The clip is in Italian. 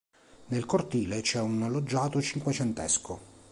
Nel cortile c'è un loggiato cinquecentesco.